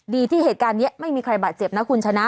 ดีที่เหตุการณ์นี้ไม่มีใครบาดเจ็บนะคุณชนะ